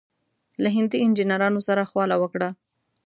له هندي انجنیرانو سره خواله وکړه.